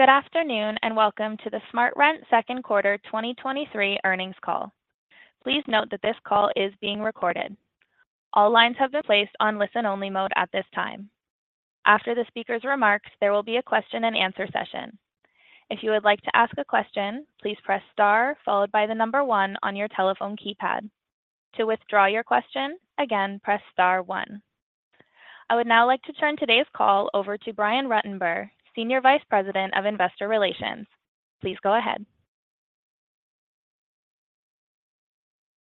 Good afternoon, and welcome to the SmartRent Second Quarter 2023 Earnings Call. Please note that this call is being recorded. All lines have been placed on listen-only mode at this time. After the speaker's remarks, there will be a question and answer session. If you would like to ask a question, please press Star followed by the number one on your telephone keypad. To withdraw your question, again, press Star one. I would now like to turn today's call over to Brian Ruttenbur, Senior Vice President of Investor Relations. Please go ahead.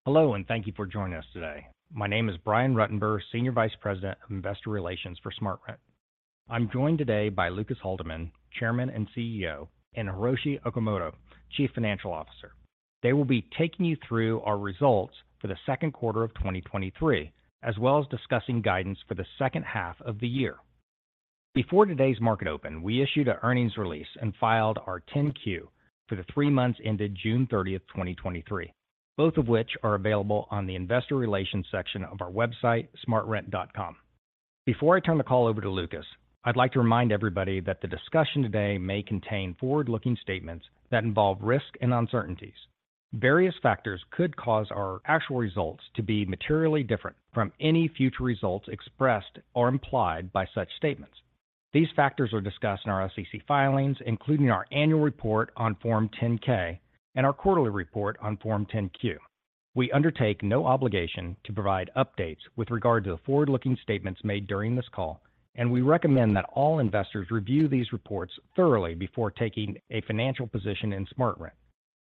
Hello, thank you for joining us today. My name is Brian Ruttenbur, Senior Vice President of Investor Relations for SmartRent. I'm joined today by Lucas Haldeman, Chairman and CEO, and Hiroshi Okamoto, Chief Financial Officer. They will be taking you through our results for the second quarter of 2023, as well as discussing guidance for the second half of the year. Before today's market open, we issued an earnings release and filed our 10-Q for the three months ended June 30th, 2023, both of which are available on the investor relations section of our website, smartrent.com. Before I turn the call over to Lucas, I'd like to remind everybody that the discussion today may contain forward-looking statements that involve risk and uncertainties. Various factors could cause our actual results to be materially different from any future results expressed or implied by such statements. These factors are discussed in our SEC filings, including our annual report on Form 10-K and our quarterly report on Form 10-Q. We undertake no obligation to provide updates with regard to the forward-looking statements made during this call, and we recommend that all investors review these reports thoroughly before taking a financial position in SmartRent.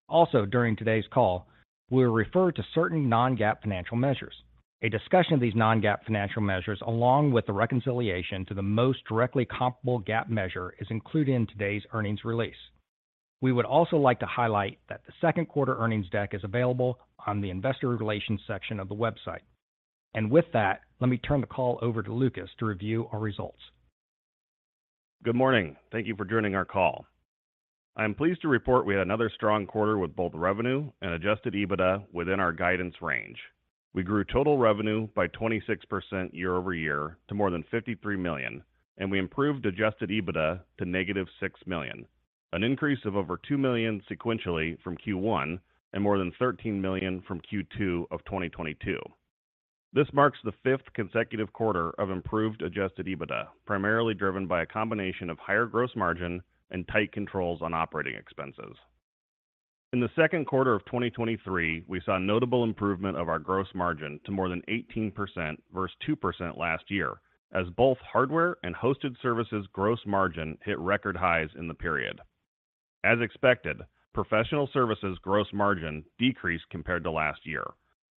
Also, during today's call, we'll refer to certain Non-GAAP financial measures. A discussion of these Non-GAAP financial measures, along with the reconciliation to the most directly comparable GAAP measure, is included in today's earnings release. We would also like to highlight that the second quarter earnings deck is available on the investor relations section of the website. With that, let me turn the call over to Lucas to review our results. Good morning. Thank you for joining our call. I am pleased to report we had another strong quarter with both revenue and Adjusted EBITDA within our guidance range. We grew total revenue by 26% year-over-year to more than $53 million, and we improved Adjusted EBITDA to negative $6 million, an increase of over $2 million sequentially from Q1 and more than $13 million from Q2 of 2022. This marks the fifth consecutive quarter of improved Adjusted EBITDA, primarily driven by a combination of higher gross margin and tight controls on operating expenses. In the second quarter of 2023, we saw a notable improvement of our gross margin to more than 18% versus 2% last year, as both hardware and hosted services gross margin hit record highs in the period. As expected, professional services gross margin decreased compared to last year.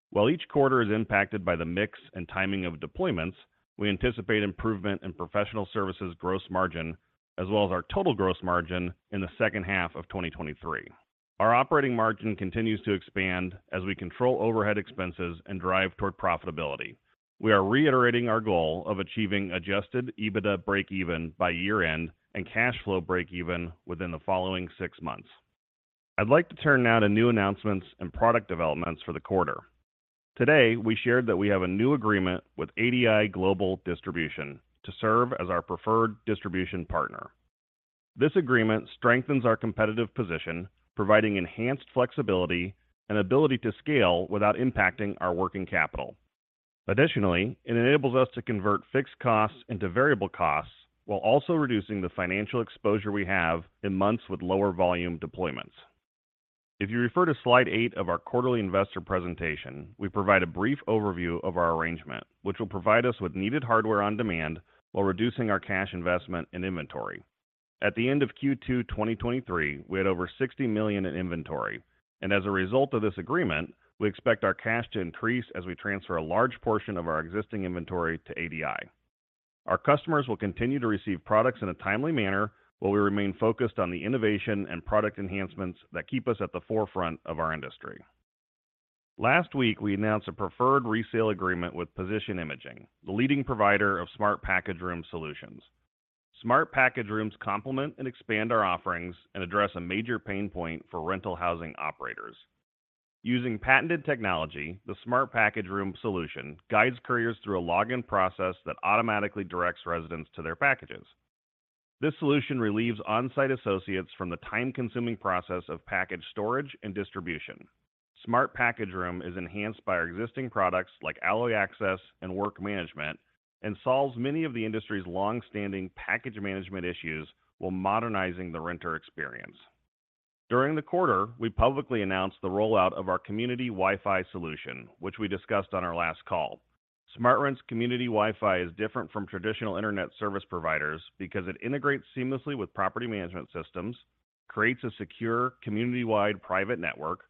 While each quarter is impacted by the mix and timing of deployments, we anticipate improvement in professional services gross margin, as well as our total gross margin in the second half of 2023. Our operating margin continues to expand as we control overhead expenses and drive toward profitability. We are reiterating our goal of achieving Adjusted EBITDA breakeven by year-end and cash flow breakeven within the following 6 months. I'd like to turn now to new announcements and product developments for the quarter. Today, we shared that we have a new agreement with ADI Global Distribution to serve as our preferred distribution partner. This agreement strengthens our competitive position, providing enhanced flexibility and ability to scale without impacting our working capital. Additionally, it enables us to convert fixed costs into variable costs while also reducing the financial exposure we have in months with lower volume deployments. If you refer to slide eight of our quarterly investor presentation, we provide a brief overview of our arrangement, which will provide us with needed hardware on demand while reducing our cash investment and inventory. At the end of Q2 2023, we had over $60 million in inventory, and as a result of this agreement, we expect our cash to increase as we transfer a large portion of our existing inventory to ADI. Our customers will continue to receive products in a timely manner, while we remain focused on the innovation and product enhancements that keep us at the forefront of our industry. Last week, we announced a preferred resale agreement with Position Imaging, the leading provider of Smart Package Room solutions. Smart Package Rooms complement and expand our offerings and address a major pain point for rental housing operators. Using patented technology, the Smart Package Room solution guides couriers through a login process that automatically directs residents to their packages. This solution relieves on-site associates from the time-consuming process of package storage and distribution. Smart Package Room is enhanced by our existing products like Alloy Access and Work Management, and solves many of the industry's long-standing package management issues while modernizing the renter experience. During the quarter, we publicly announced the rollout of our Community WiFi solution, which we discussed on our last call. SmartRent's Community WiFi is different from traditional internet service providers because it integrates seamlessly with property management systems, creates a secure, community-wide private network,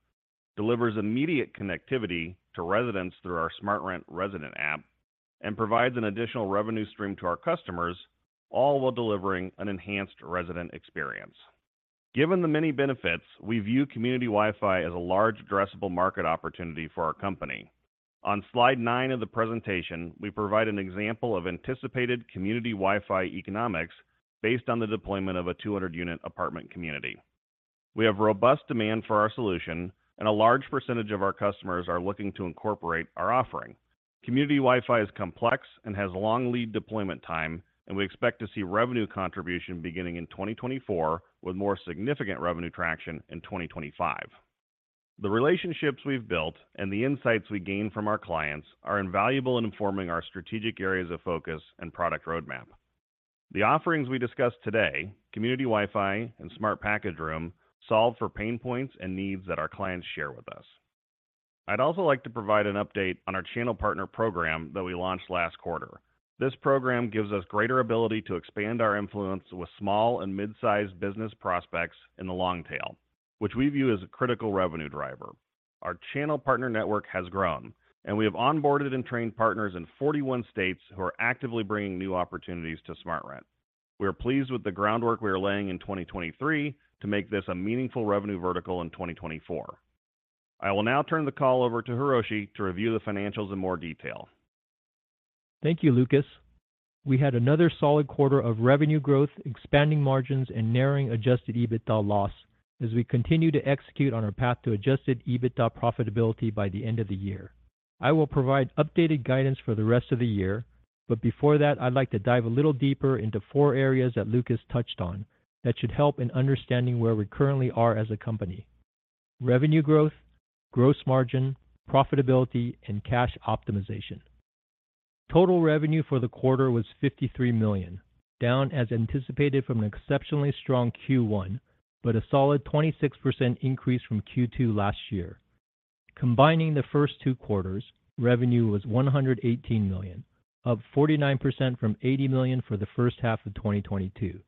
delivers immediate connectivity to residents through our SmartRent Resident App, and provides an additional revenue stream to our customers, all while delivering an enhanced resident experience. Given the many benefits, we view Community WiFi as a large addressable market opportunity for our company. On slide nine of the presentation, we provide an example of anticipated Community WiFi economics based on the deployment of a 200 unit apartment community. We have robust demand for our solution, and a large percentage of our customers are looking to incorporate our offering. Community WiFi is complex and has long lead deployment time, and we expect to see revenue contribution beginning in 2024, with more significant revenue traction in 2025. The relationships we've built and the insights we gain from our clients are invaluable in informing our strategic areas of focus and product roadmap. The offerings we discussed today, Community WiFi and Smart Package Room, solve for pain points and needs that our clients share with us. I'd also like to provide an update on our channel partner program that we launched last quarter. This program gives us greater ability to expand our influence with small and mid-sized business prospects in the long tail, which we view as a critical revenue driver. Our channel partner network has grown, and we have onboarded and trained partners in 41 states who are actively bringing new opportunities to SmartRent. We are pleased with the groundwork we are laying in 2023 to make this a meaningful revenue vertical in 2024. I will now turn the call over to Hiroshi to review the financials in more detail. Thank you, Lucas. We had another solid quarter of revenue growth, expanding margins, and narrowing Adjusted EBITDA loss as we continue to execute on our path to Adjusted EBITDA profitability by the end of the year. Before that, I'd like to dive a little deeper into four areas that Lucas touched on that should help in understanding where we currently are as a company: revenue growth, gross margin, profitability, and cash optimization. Total revenue for the quarter was $53 million, down as anticipated from an exceptionally strong Q1, but a solid 26% increase from Q2 last year. Combining the first two quarters, revenue was $118 million, up 49% from $80 million for the first half of 2022.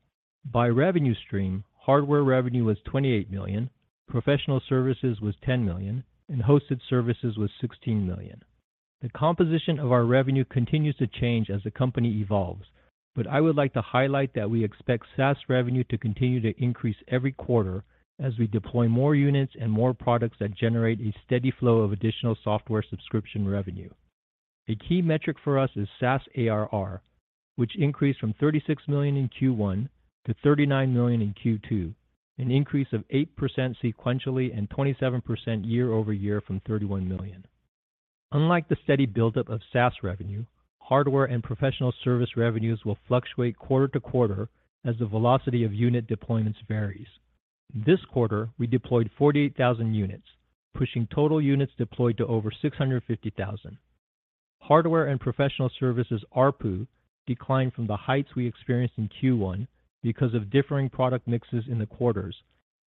By revenue stream, hardware revenue was $28 million, professional services was $10 million, and hosted services was $16 million. I would like to highlight that we expect SaaS revenue to continue to increase every quarter as we deploy more units and more products that generate a steady flow of additional software subscription revenue. A key metric for us is SaaS ARR, which increased from $36 million in Q1 to $39 million in Q2, an increase of 8% sequentially and 27% year-over-year from $31 million. Unlike the steady buildup of SaaS revenue, hardware and professional service revenues will fluctuate quarter-to-quarter as the velocity of unit deployments varies. This quarter, we deployed 48,000 units, pushing total units deployed to over 650,000 units. Hardware and professional services ARPU declined from the heights we experienced in Q1 because of differing product mixes in the quarters,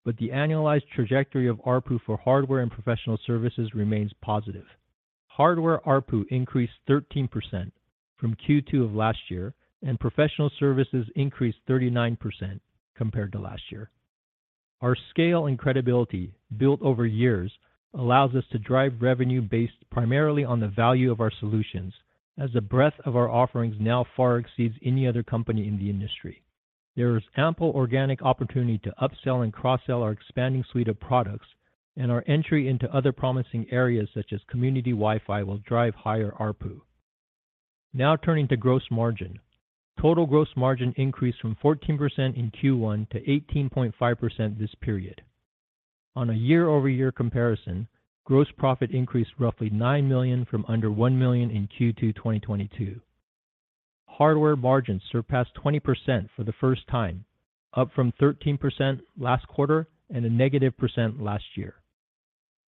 but the annualized trajectory of ARPU for hardware and professional services remains positive. Hardware ARPU increased 13% from Q2 of last year, and professional services increased 39% compared to last year. Our scale and credibility, built over years, allows us to drive revenue based primarily on the value of our solutions, as the breadth of our offerings now far exceeds any other company in the industry. There is ample organic opportunity to upsell and cross-sell our expanding suite of products, and our entry into other promising areas, such as Community WiFi, will drive higher ARPU. Now turning to gross margin. Total gross margin increased from 14% in Q1 to 18.5% this period. On a year-over-year comparison, gross profit increased roughly $9 million from under $1 million in Q2 2022. Hardware margins surpassed 20% for the first time, up from 13% last quarter and a negative % last year.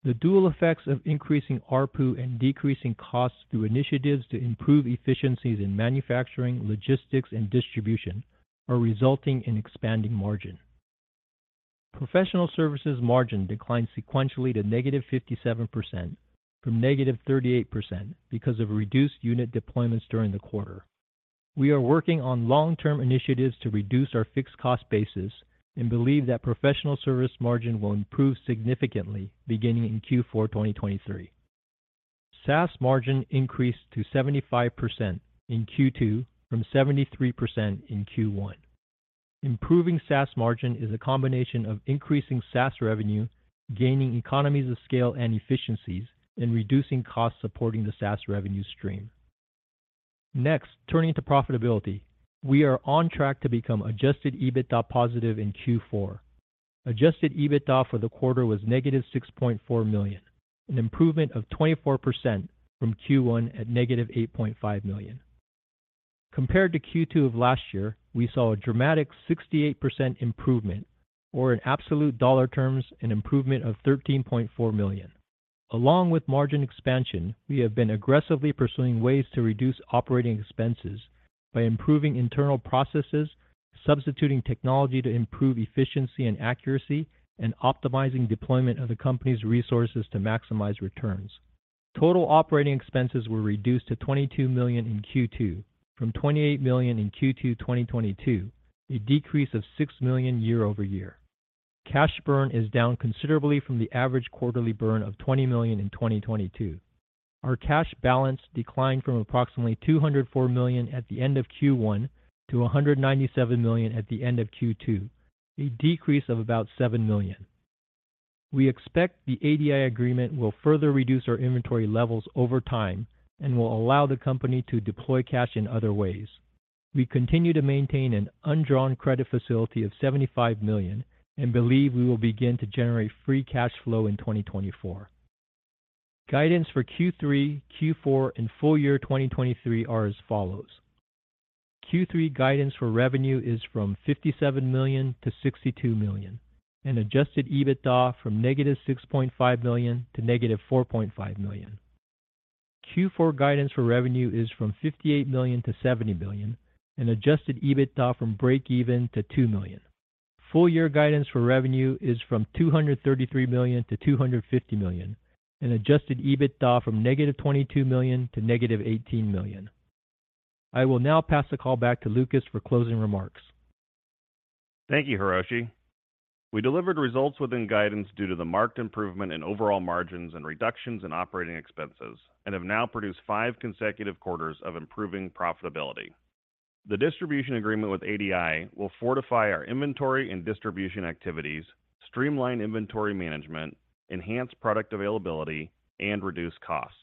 The dual effects of increasing ARPU and decreasing costs through initiatives to improve efficiencies in manufacturing, logistics, and distribution are resulting in expanding margin. Professional services margin declined sequentially to negative 57% from negative 38% because of reduced unit deployments during the quarter. We are working on long-term initiatives to reduce our fixed cost basis and believe that professional service margin will improve significantly beginning in Q4 2023. SaaS margin increased to 75% in Q2 from 73% in Q1. Improving SaaS margin is a combination of increasing SaaS revenue, gaining economies of scale and efficiencies, and reducing costs supporting the SaaS revenue stream. Next, turning to profitability. We are on track to become Adjusted EBITDA positive in Q4. Adjusted EBITDA for the quarter was negative $6.4 million, an improvement of 24% from Q1 at negative $8.5 million. Compared to Q2 of last year, we saw a dramatic 68% improvement, or in absolute dollar terms, an improvement of $13.4 million. Along with margin expansion, we have been aggressively pursuing ways to reduce operating expenses by improving internal processes, substituting technology to improve efficiency and accuracy, and optimizing deployment of the company's resources to maximize returns. Total operating expenses were reduced to $22 million in Q2, from $28 million in Q2 2022, a decrease of $6 million year-over-year. Cash burn is down considerably from the average quarterly burn of $20 million in 2022. Our cash balance declined from approximately $204 million at the end of Q1 to $197 million at the end of Q2, a decrease of about $7 million. We expect the ADI agreement will further reduce our inventory levels over time and will allow the company to deploy cash in other ways. We continue to maintain an undrawn credit facility of $75 million and believe we will begin to generate free cash flow in 2024. Guidance for Q3, Q4, and full year 2023 are as follows: Q3 guidance for revenue is from $57 million-$62 million, and Adjusted EBITDA from negative $6.5 million to negative $4.5 million. Q4 guidance for revenue is from $58 million-$70 million, and Adjusted EBITDA from breakeven to $2 million. Full year guidance for revenue is from $233 million-$250 million, Adjusted EBITDA from -$22 million-$18 million. I will now pass the call back to Lucas for closing remarks. Thank you, Hiroshi. We delivered results within guidance due to the marked improvement in overall margins and reductions in operating expenses and have now produced five consecutive quarters of improving profitability. The distribution agreement with ADI will fortify our inventory and distribution activities, streamline inventory management, enhance product availability, and reduce costs.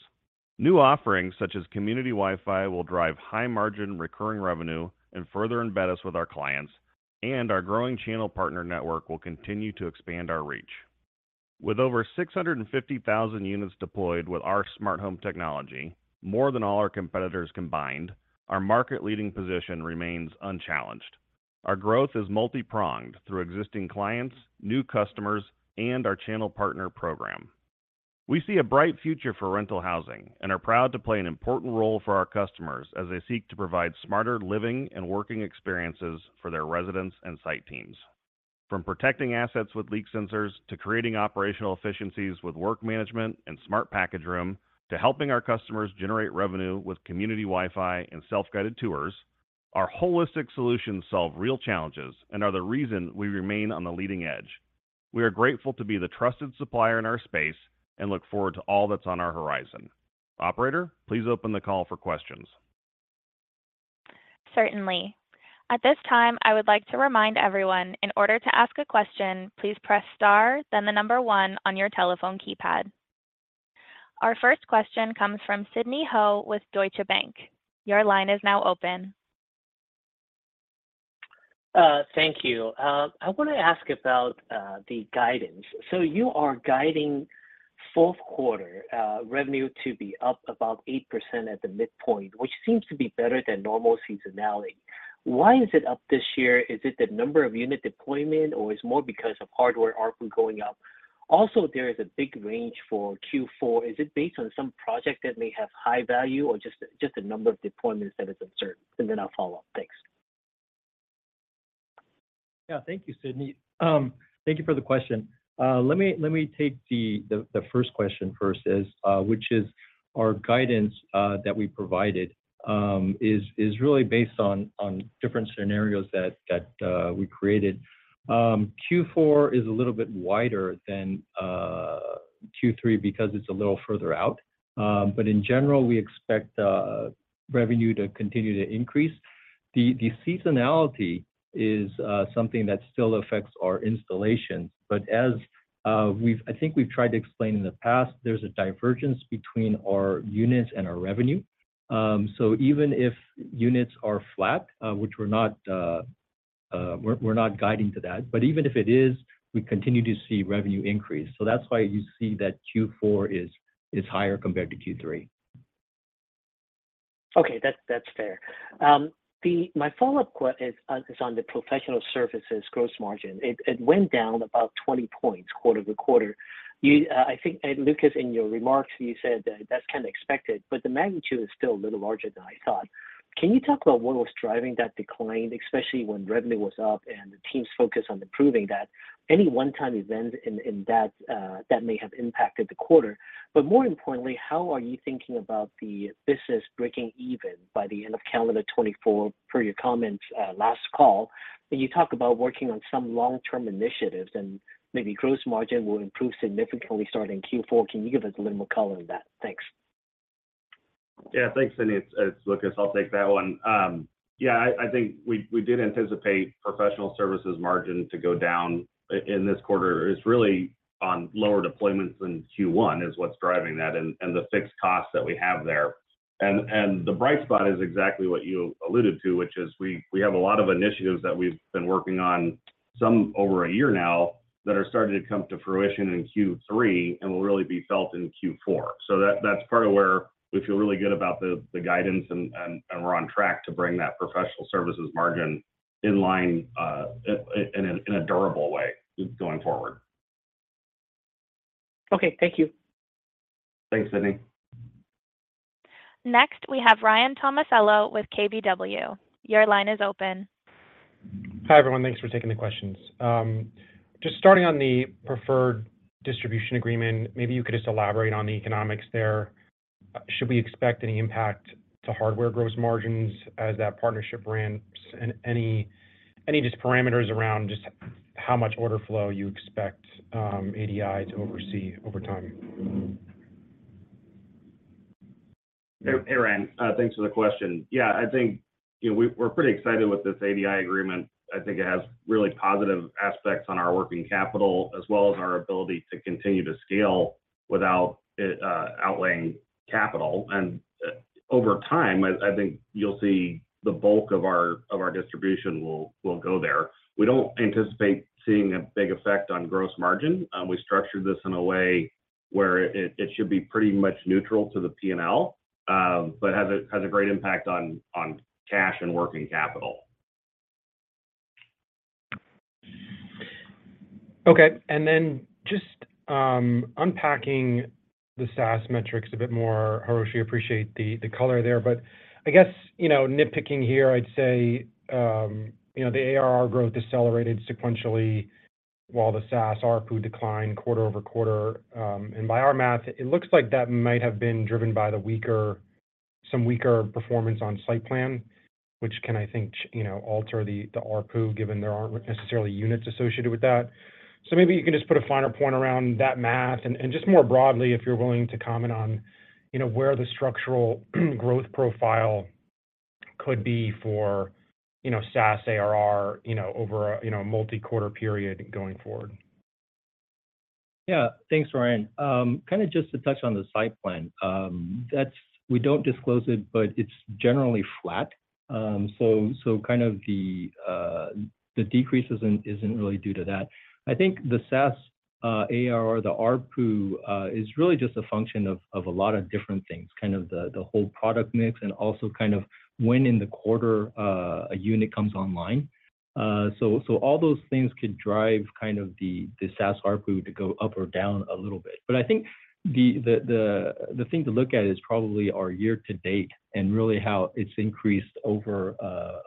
New offerings, such as Community WiFi, will drive high margin recurring revenue and further embed us with our clients. Our growing channel partner network will continue to expand our reach. With over 650,000 units deployed with our smart home technology, more than all our competitors combined, our market leading position remains unchallenged. Our growth is multipronged through existing clients, new customers, and our channel partner program. We see a bright future for rental housing and are proud to play an important role for our customers as they seek to provide smarter living and working experiences for their residents and site teams. From protecting assets with leak sensors, to creating operational efficiencies with Work Management and Smart Package Room, to helping our customers generate revenue with Community WiFi and Self-Guided Tours, our holistic solutions solve real challenges and are the reason we remain on the leading edge. We are grateful to be the trusted supplier in our space and look forward to all that's on our horizon. Operator, please open the call for questions. Certainly. At this time, I would like to remind everyone, in order to ask a question, please press star, then the number one on your telephone keypad. Our first question comes from Sidney Ho with Deutsche Bank. Your line is now open. Thank you. I want to ask about the guidance. You are guiding fourth quarter revenue to be up about 8% at the midpoint, which seems to be better than normal seasonality. Why is it up this year? Is it the number of unit deployment, or is more because of hardware ARPU going up? Also, there is a big range for Q4. Is it based on some project that may have high value or just, just the number of deployments that is uncertain? Then I'll follow up. Thanks. Yeah. Thank you, Sidney. Thank you for the question. Let me take the first question first, which is our guidance that we provided is really based on different scenarios that we created. Q4 is a little bit wider than Q3 because it's a little further out. In general, we expect revenue to continue to increase. The seasonality is something that still affects our installations, as I think we've tried to explain in the past, there's a divergence between our units and our revenue. Even if units are flat, which we're not, we're not guiding to that, even if it is, we continue to see revenue increase. That's why you see that Q4 is higher compared to Q3. Okay, that's, that's fair. My follow-up is on the professional services gross margin. It went down about 20 points quarter-over-quarter. You, I think, Lucas, in your remarks, you said that that's kind of expected, but the magnitude is still a little larger than I thought. Can you talk about what was driving that decline, especially when revenue was up and the team's focus on improving that, any one-time events in that that may have impacted the quarter? More importantly, how are you thinking about the business breaking even by the end of calendar 2024, per your comments, last call, when you talked about working on some long-term initiatives and maybe gross margin will improve significantly starting Q4. Can you give us a little more color on that? Thanks. Yeah, thanks, Sidney. It's Lucas. I'll take that one. Yeah, I think we did anticipate professional services margin to go down in this quarter. It's really on lower deployments than Q1 is what's driving that and the fixed costs that we have there. The bright spot is exactly what you alluded to, which is we have a lot of initiatives that we've been working on, some over a year now, that are starting to come to fruition in Q3 and will really be felt in Q4. That's part of where we feel really good about the guidance, and we're on track to bring that professional services margin in line, in a durable way going forward. Okay. Thank you. Thanks, Sidney. Next, we have Ryan Tomasello with KBW. Your line is open. Hi, everyone. Thanks for taking the questions. Just starting on the preferred distribution agreement, maybe you could just elaborate on the economics there? Should we expect any impact to hardware gross margins as that partnership ramps? Any, any just parameters around just how much order flow you expect ADI to oversee over time? Hey, Ryan, thanks for the question. Yeah, I think, you know, we're pretty excited with this ADI agreement. I think it has really positive aspects on our working capital, as well as our ability to continue to scale without it, outlying capital. Over time, I, I think you'll see the bulk of our, of our distribution will, will go there. We don't anticipate seeing a big effect on gross margin. We structured this in a way where it should be pretty much neutral to the PNL, but has a great impact on cash and working capital. Okay. Just unpacking the SaaS metrics a bit more, Hiroshi. Appreciate the, the color there. I guess, you know, nitpicking here, I'd say, you know, the ARR growth decelerated sequentially, while the SaaS ARPU declined quarter-over-quarter. By our math, it looks like that might have been driven by the weaker some weaker performance on site plan, which can, I think, you know, alter the, the ARPU, given there aren't necessarily units associated with that. Maybe you can just put a finer point around that math. Just more broadly, if you're willing to comment on, you know, where the structural growth profile could be for, you know, SaaS ARR, you know, over a, you know, multi-quarter period going forward. Yeah. Thanks, Ryan. Kinda just to touch on the site plan. That's, we don't disclose it, but it's generally flat. Kind of the, the decrease isn't, isn't really due to that. I think the SaaS ARR, the ARPU is really just a function of, of a lot of different things, kind of the, the whole product mix, and also kind of when in the quarter a unit comes online. All those things could drive kind of the, the SaaS ARPU to go up or down a little bit. I think the, the, the, the thing to look at is probably our year to date, and really how it's increased over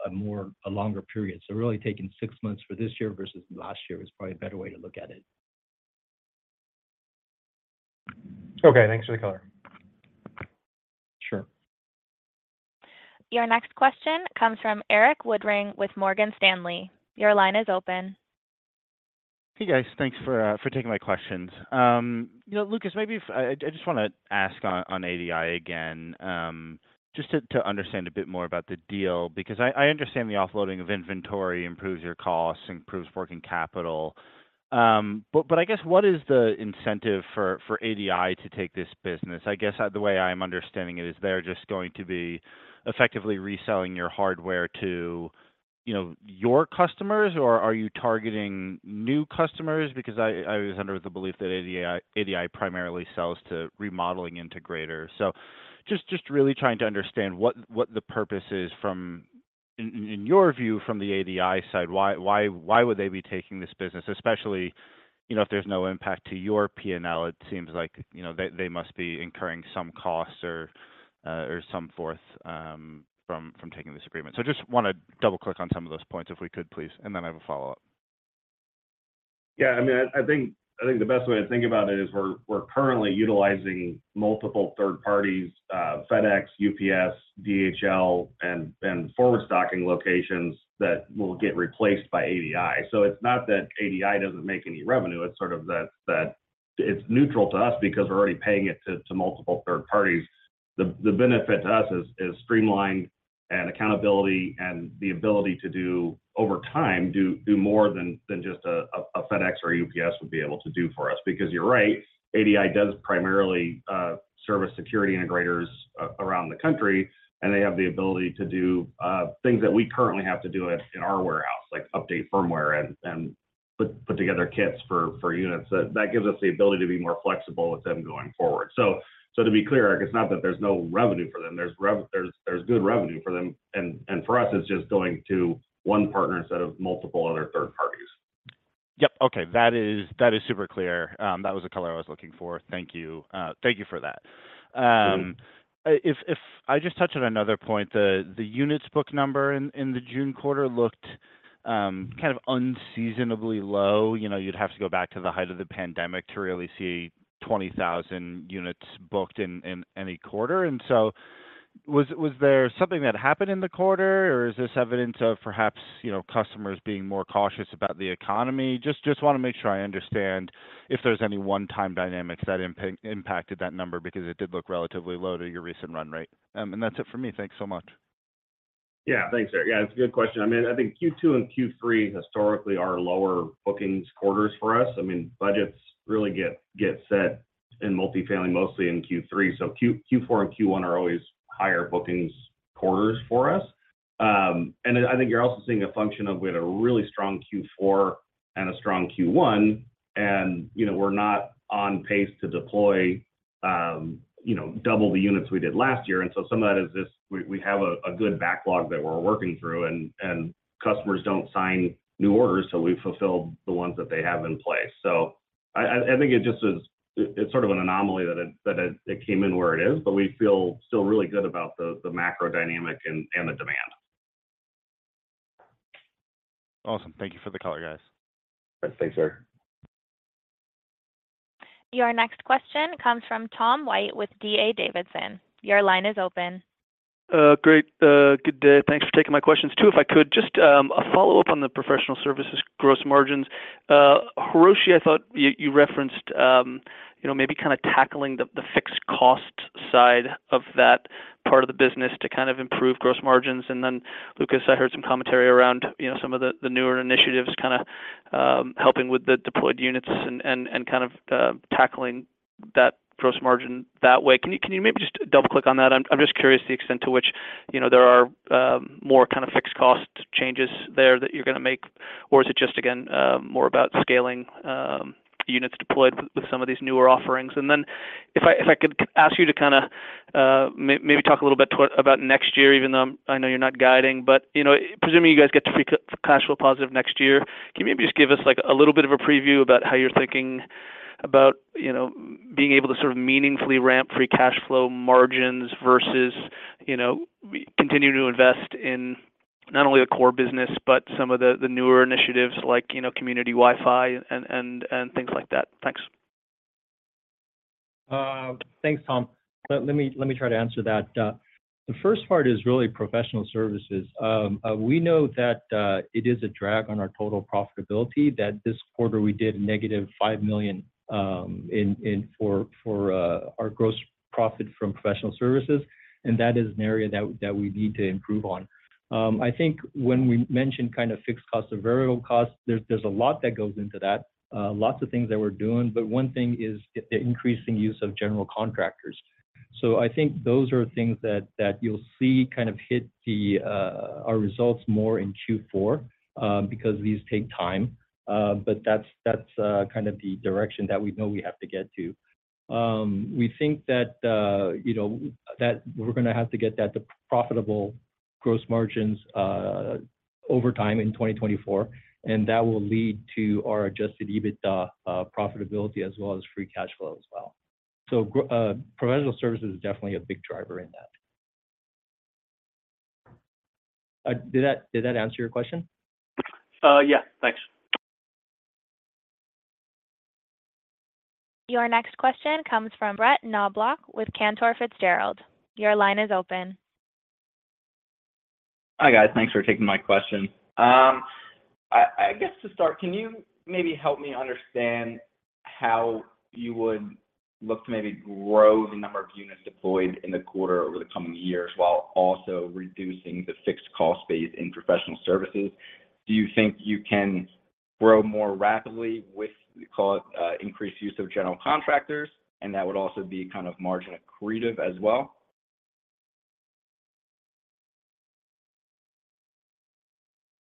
a more, a longer period. Really taking six months for this year versus last year is probably a better way to look at it. Okay. Thanks for the color. Sure. Your next question comes from Eric Woodring with Morgan Stanley. Your line is open. Hey, guys. Thanks for for taking my questions. You know, Lucas, maybe if I just wanna ask on ADI again, just to understand a bit more about the deal, because I understand the offloading of inventory improves your costs, improves working capital. I guess what is the incentive for ADI to take this business? I guess, the way I'm understanding it is they're just going to be effectively reselling your hardware to, you know, your customers, or are you targeting new customers? I was under the belief that ADI primarily sells to remodeling integrators. Just really trying to understand what the purpose is from in your view, from the ADI side, why would they be taking this business? Especially, you know, if there's no impact to your PNL, it seems like, you know, they, they must be incurring some costs or or some forth from taking this agreement. Just wanna double-click on some of those points, if we could, please. Then I have a follow-up. Yeah, I mean, I think the best way to think about it is we're currently utilizing multiple third parties, FedEx, UPS, DHL, and forward stocking locations that will get replaced by ADI. It's not that ADI doesn't make any revenue. It's sort of that it's neutral to us because we're already paying it to multiple third parties. The benefit to us is streamlined and accountability and the ability to do, over time, do more than just a FedEx or a UPS would be able to do for us. You're right, ADI does primarily service security integrators around the country, and they have the ability to do things that we currently have to do in our warehouse, like update firmware and put together kits for units. That gives us the ability to be more flexible with them going forward. To be clear, Eric, it's not that there's no revenue for them. There's good revenue for them, and for us, it's just going to one partner instead of multiple other third parties. Yep. Okay. That is, that is super clear. That was the color I was looking for. Thank you. Thank you for that. Mm-hmm. If I just touch on another point, the units book number in the June quarter looked kind of unseasonably low. You know, you'd have to go back to the height of the pandemic to really see 20,000 units booked in any quarter. So was there something that happened in the quarter, or is this evidence of perhaps, you know, customers being more cautious about the economy? Just wanna make sure I understand if there's any one-time dynamics that impacted that number, because it did look relatively low to your recent run rate. That's it for me. Thanks so much. Yeah, thanks, Eric. Yeah, it's a good question. I mean, I think Q2 and Q3 historically are lower bookings quarters for us. I mean, budgets really get, get set in multifamily, mostly in Q3. Q4 and Q1 are always higher bookings quarters for us. I think you're also seeing a function of we had a really strong Q4 and a strong Q1, and, you know, we're not on pace to deploy, you know, 2 times the units we did last year. Some of that is just we have a good backlog that we're working through, and customers don't sign new orders, so we fulfill the ones that they have in place. I think it just is... It, it's sort of an anomaly that it, that it, it came in where it is, but we feel still really good about the, the macro dynamic and, and the demand. Awesome. Thank you for the color, guys. Thanks, sir. Your next question comes from Tom White with D.A. Davidson. Your line is open. ... great. Good day. Thanks for taking my questions. Two, if I could, just, a follow-up on the professional services gross margins. Hiroshi, I thought you, you referenced, you know, maybe kind of tackling the, the fixed cost side of that part of the business to kind of improve gross margins. And then, Lucas, I heard some commentary around, you know, some of the, the newer initiatives kind of, helping with the deployed units and, and, and kind of, tackling that gross margin that way. Can you, can you maybe just double-click on that? I'm, I'm just curious the extent to which, you know, there are, more kind of fixed cost changes there that you're gonna make, or is it just, again, more about scaling, units deployed with, with some of these newer offerings? Then, if I, if I could ask you to kinda talk a little bit about next year, even though I know you're not guiding. You know, presumably, you guys get to free cash flow positive next year. Can you maybe just give us, like, a little bit of a preview about how you're thinking about, you know, being able to sort of meaningfully ramp free cash flow margins versus, you know, continuing to invest in not only the core business, but some of the, the newer initiatives like, you know, Community WiFi and things like that? Thanks. Thanks, Tom. Let me try to answer that. The first part is really professional services. We know that it is a drag on our total profitability, that this quarter we did -$5 million for our gross profit from professional services. That is an area that we need to improve on. I think when we mention kind of fixed costs or variable costs, there's a lot that goes into that, lots of things that we're doing, but one thing is the increasing use of general contractors. I think those are things that you'll see kind of hit our results more in Q4 because these take time. That's kind of the direction that we know we have to get to. We think that, you know, that we're gonna have to get that to profitable gross margins, over time in 2024. That will lead to our Adjusted EBITDA profitability, as well as free cash flow as well. Professional service is definitely a big driver in that. Did that, did that answer your question? Yeah. Thanks. Your next question comes from Brett Knoblauch with Cantor Fitzgerald. Your line is open. Hi, guys. Thanks for taking my question. I guess, to start, can you maybe help me understand how you would look to maybe grow the number of units deployed in the quarter over the coming years, while also reducing the fixed cost base in professional services? Do you think you can grow more rapidly with, call it, increased use of general contractors, and that would also be kind of margin accretive as well?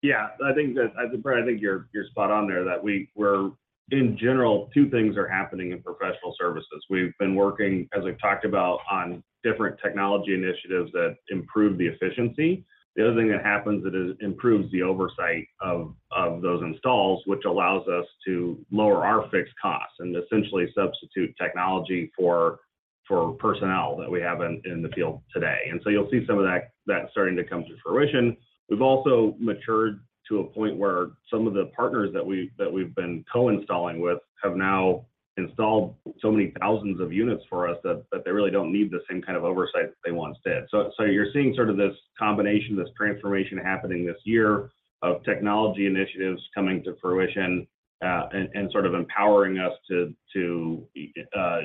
Yeah. I think that... Brett, I think you're, you're spot on there, that we're in general, two things are happening in professional services. We've been working, as I've talked about, on different technology initiatives that improve the efficiency. The other thing that happens, it is improves the oversight of, of those installs, which allows us to lower our fixed costs and essentially substitute technology for, for personnel that we have in, in the field today. So you'll see some of that, that starting to come to fruition. We've also matured to a point where some of the partners that we've, that we've been co-installing with have now installed so many thousands of units for us that, that they really don't need the same kind of oversight that they once did. So you're seeing sort of this combination, this transformation happening this year of technology initiatives coming to fruition, and, and sort of empowering us to, to,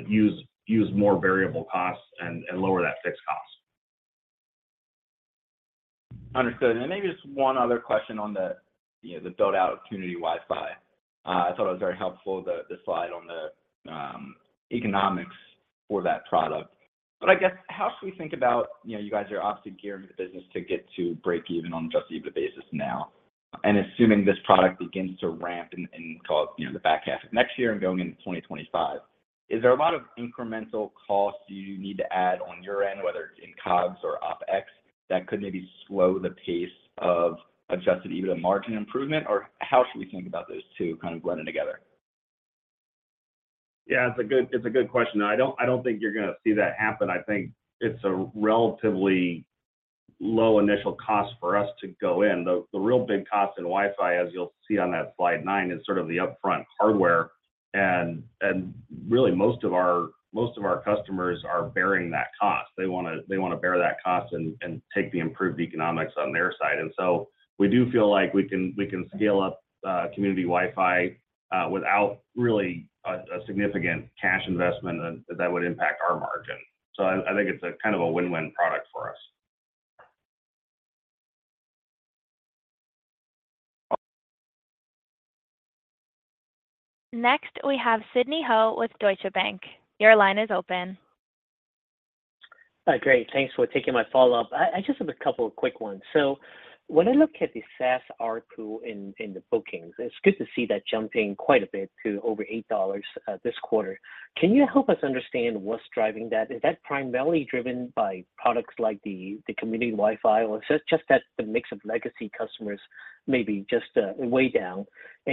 use, use more variable costs and, and lower that fixed cost. Understood. Maybe just 1 other question on the, you know, the build-out of Community WiFi. I thought it was very helpful, the, the slide on the economics for that product. I guess, how should we think about, you know, you guys are obviously gearing the business to get to break even on an Adjusted EBITDA basis now, and assuming this product begins to ramp in, in, call it, you know, the back half of next year and going into 2025, is there a lot of incremental costs you need to add on your end, whether it's in COGS or OpEx, that could maybe slow the pace of Adjusted EBITDA margin improvement? How should we think about those two kind of blending together? Yeah, it's a good, it's a good question. I don't, I don't think you're gonna see that happen. I think it's a relatively low initial cost for us to go in. The real big cost in Wi-Fi, as you'll see on that slide nine, is sort of the upfront hardware, and really most of our, most of our customers are bearing that cost. They wanna, they wanna bear that cost and take the improved economics on their side. We do feel like we can, we can scale up Community WiFi without really a significant cash investment that would impact our margin. I think it's a kind of a win-win product for us. Next, we have Sidney Ho with Deutsche Bank. Your line is open. Great. Thanks for taking my follow-up. I just have a couple of quick ones. When I look at the SaaS ARPU in the bookings, it's good to see that jumping quite a bit to over $8 this quarter. Can you help us understand what's driving that? Is that primarily driven by products like the Community WiFi, or is it just that the mix of legacy customers may be just way down?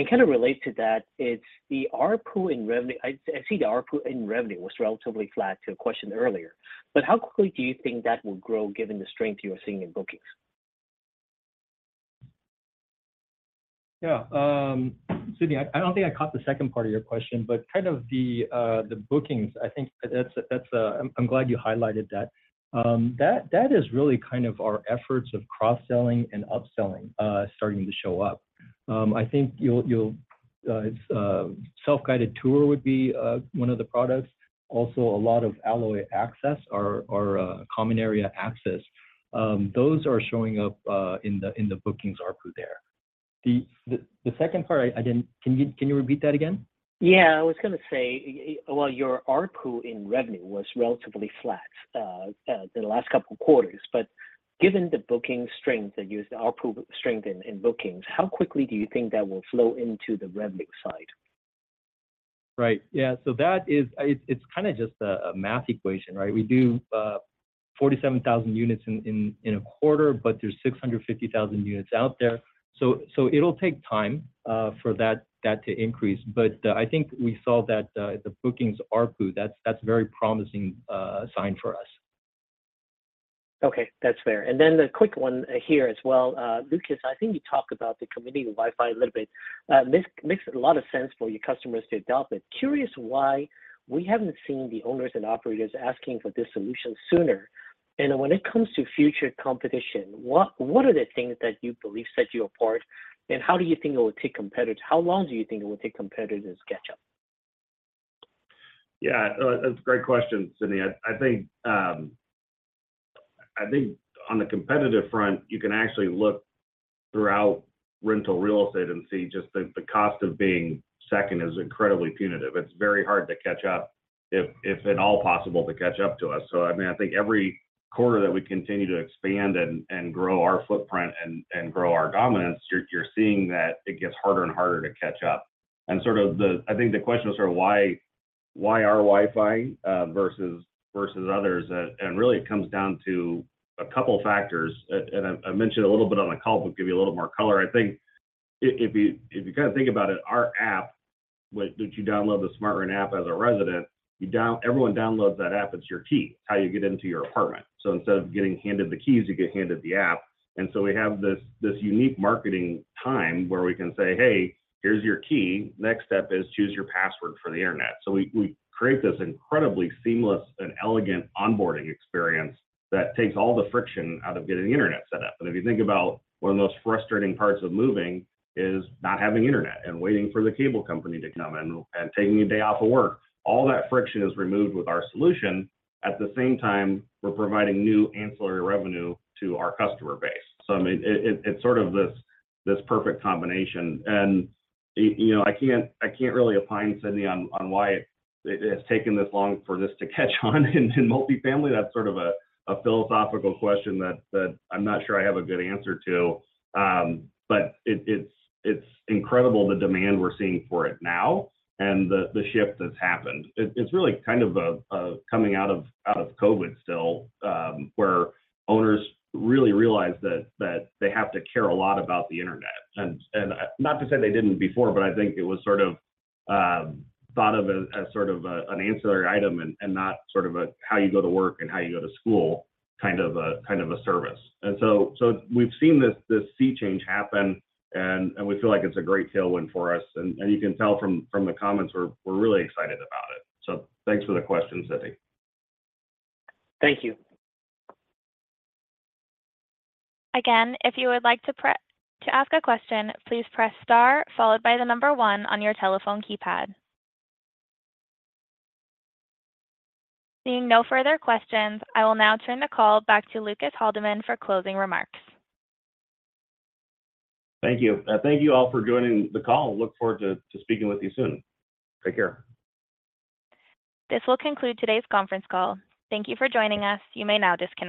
Kind of related to that, it's the ARPU in revenue. I see the ARPU in revenue was relatively flat to a question earlier, but how quickly do you think that will grow, given the strength you are seeing in bookings? Yeah, Sidney, I don't think I caught the second part of your question, but kind of the bookings, I think that's. I'm, I'm glad you highlighted that. That, that is really kind of our efforts of cross-selling and upselling, starting to show up. I think you'll, you'll, it's, Self-Guided Tour would be, one of the products. Also, a lot of Alloy Access or, or, common area access, those are showing up, in the, in the bookings ARPU there. The, the, the second part I, I didn't- Can you, can you repeat that again? I was gonna say, well, your ARPU in revenue was relatively flat, the last couple quarters, but given the booking strength that you, the ARPU strength in bookings, how quickly do you think that will flow into the revenue side? Right. Yeah, that is- it's, it's kind of just a, a math equation, right? We do 47,000 units in, in, in a quarter, there's 650,000 units out there. It'll take time for that, that to increase. I think we saw that the bookings ARPU, that's, that's very promising sign for us. Okay, that's fair. Then the quick one here as well. Lucas, I think you talked about the Community WiFi a little bit. This makes a lot of sense for your customers to adopt it. Curious why we haven't seen the owners and operators asking for this solution sooner? When it comes to future competition, what are the things that you believe set you apart, and how long do you think it will take competitors to catch up? Yeah, that's a great question, Sidney. I, I think, I think on the competitive front, you can actually look throughout rental real estate and see just the, the cost of being second is incredibly punitive. It's very hard to catch up, if, if at all possible, to catch up to us. I mean, I think every quarter that we continue to expand and, and grow our footprint and, and grow our dominance, you're, you're seeing that it gets harder and harder to catch up. Sort of the... I think the question is sort of why, why our Wi-Fi versus, versus others? Really it comes down to a couple factors. I, I mentioned a little bit on the call, but give you a little more color. I think if, if you, if you kind of think about it, our app, which, which you download the SmartRent app as a resident, everyone downloads that app. It's your key, it's how you get into your apartment. Instead of getting handed the keys, you get handed the app. We have this, this unique marketing time where we can say, "Hey, here's your key. Next step is choose your password for the internet." We, we create this incredibly seamless and elegant onboarding experience that takes all the friction out of getting internet set up. If you think about one of the most frustrating parts of moving is not having internet and waiting for the cable company to come in and taking a day off of work. All that friction is removed with our solution. At the same time, we're providing new ancillary revenue to our customer base. I mean, it, it, it's sort of this, this perfect combination. You know, I can't, I can't really opine, Sydney, on, on why it, it has taken this long for this to catch on in, in multifamily. That's sort of a, a philosophical question that, that I'm not sure I have a good answer to. But it, it's, it's incredible the demand we're seeing for it now and the, the shift that's happened. It's really kind of a, of coming out of, out of COVID still, where owners really realize that, that they have to care a lot about the internet. Not to say they didn't before, but I think it was sort of thought of as, as sort of a, an ancillary item and, and not sort of a how you go to work and how you go to school, kind of a, kind of a service. So, so we've seen this, this sea change happen, and, and we feel like it's a great tailwind for us. And you can tell from, from the comments, we're, we're really excited about it. Thanks for the question, Sidney. Thank you. Again, if you would like to ask a question, please press star followed by 1 on your telephone keypad. Seeing no further questions, I will now turn the call back to Lucas Haldeman for closing remarks. Thank you. Thank you all for joining the call. Look forward to, to speaking with you soon. Take care. This will conclude today's conference call. Thank you for joining us. You may now disconnect.